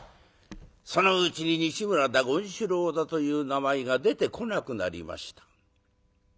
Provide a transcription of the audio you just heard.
そのうちに西村だ権四郎だという名前が出てこなくなりました。